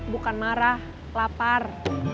bukan marah lapar